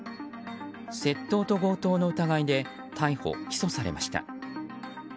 窃盗と強盗の疑いで逮捕・起訴されました。